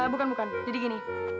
bukan bukan jadi gini